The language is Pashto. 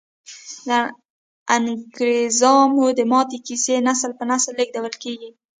د انګریزامو د ماتې کیسې نسل په نسل لیږدول کیږي.